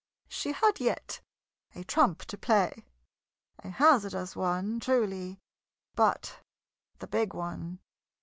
She had yet a trump to play: a hazardous one, truly, but the big one.